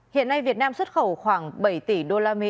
hiện nay việt nam xuất khẩu khoảng bảy tỷ usd